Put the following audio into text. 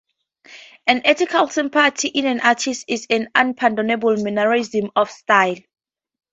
An ethical sympathy in an artist is an unpardonable mannerism of style.